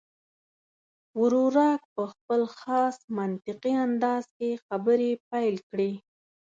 ورورک په خپل خاص منطقي انداز کې خبرې پیل کړې.